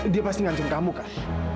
dia pasti ngancam kamu kan